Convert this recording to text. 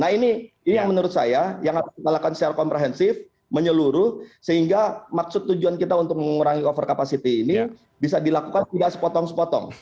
nah ini yang menurut saya yang harus kita lakukan secara komprehensif menyeluruh sehingga maksud tujuan kita untuk mengurangi over capacity ini bisa dilakukan tidak sepotong sepotong